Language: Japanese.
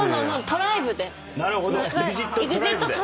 なるほど。